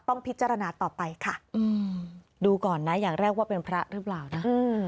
ต้องพิจารณาต่อไปค่ะดูก่อนนะอย่างแรกว่าเป็นพระหรือเปล่านะ